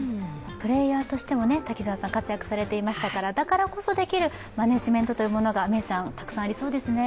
プレーヤーとしても滝沢さん、活躍されていましたから、だからこそできるマネージメントというものが、たくさんありそうですね。